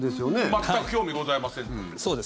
全く興味ございませんという。